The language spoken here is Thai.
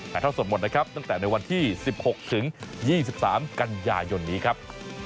เท่าสดหมดนะครับตั้งแต่ในวันที่๑๖ถึง๒๓กันยายนนี้ครับ